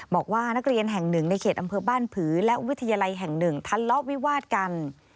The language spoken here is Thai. บอกว่านักเรียนแห่งหนึ่งในเขตอำเภอบ้านผือและวิทยาลัยแห่งหนึ่งทะเลาะวิวาดกัน